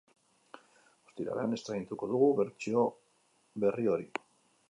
Ostiralean estreinatuko dugu bertsio berri hori.